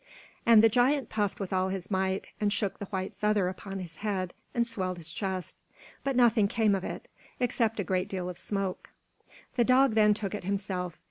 And the giant puffed with all his might, and shook the white feather upon his head, and swelled his chest; but nothing came of it, except a great deal of smoke. The Dog then took it himself.